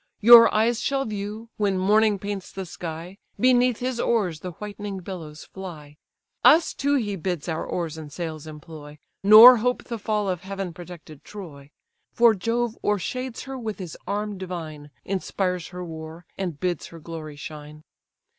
Your eyes shall view, when morning paints the sky, Beneath his oars the whitening billows fly; Us too he bids our oars and sails employ, Nor hope the fall of heaven protected Troy; For Jove o'ershades her with his arm divine, Inspires her war, and bids her glory shine.